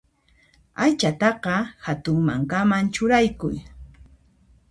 Aychataqa hatun mankaman churaykuy.